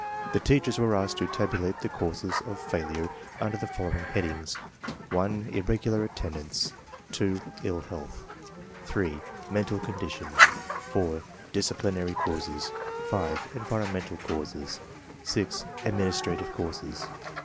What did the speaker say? The teachers were aSked to tabulate the causes of failure under the following headings: (1) irregular attendance, (2) ill health, (3) mental condition, (4) disciplinary causes, (5) environmental causes, (6) administrative causes.